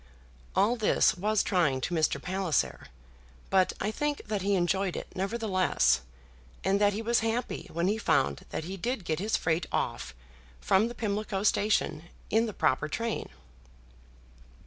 All this was trying to Mr. Palliser; but I think that he enjoyed it, nevertheless, and that he was happy when he found that he did get his freight off from the Pimlico Station in the proper train.